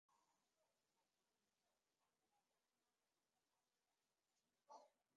শুধু ওই মূর্খ আভি ছাড়া।